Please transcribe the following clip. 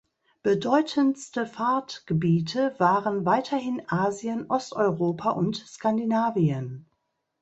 Bedeutendste Fahrtgebiete waren weiterhin Asien, Osteuropa und Skandinavien.